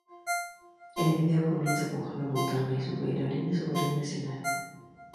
El vídeo comienza con Hannah Montana y sus bailarines sobre un escenario.